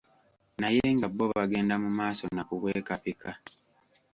Naye nga bo bagenda mu maaso nakubwekapika.